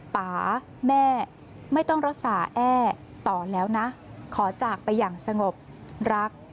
ป่าแม่ไม่ต้องรักษาแอ้ต่อแล้วนะขอจากไปอย่างสงบรัก